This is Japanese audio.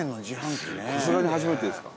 さすがに初めてですか？